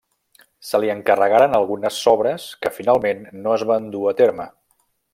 Se li encarregaren algunes sobres que finalment no es van dur a terme.